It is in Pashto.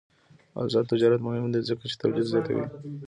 آزاد تجارت مهم دی ځکه چې تولید زیاتوي.